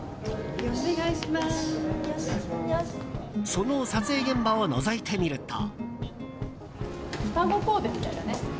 その撮影現場をのぞいてみると。